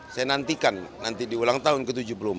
saya nantikan nanti di ulang tahun ke tujuh puluh empat